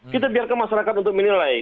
kita biarkan masyarakat untuk menilai